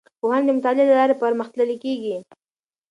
پوهنه د مطالعې له لارې پرمختللې کیږي.